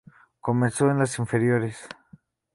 Comenzó en las inferiores.